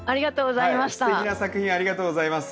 すてきな作品ありがとうございます。